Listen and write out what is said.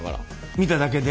見ただけで？